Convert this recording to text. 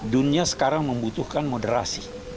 dunia sekarang membutuhkan moderasi